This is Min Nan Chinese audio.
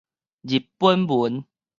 日本文